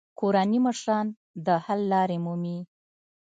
کورني مشران د حل لارې مومي.